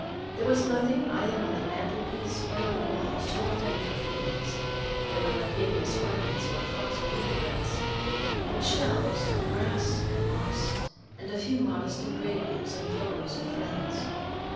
There was nothing either on the mantle piece or on the walls to offend your feelings. There were no hideous ornaments or foxy lithographs, but shells, and grass, and moss, and a few modest engravings and photo's of friends.